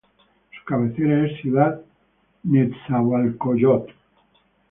Su cabecera es Ciudad Nezahualcóyotl.